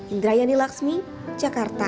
indrayani laksmi jakarta